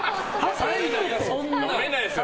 飲めないですよ。